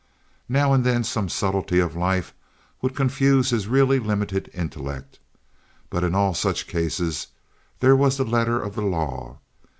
Now and then some subtlety of life would confuse his really limited intellect; but in all such cases there was the letter of the law.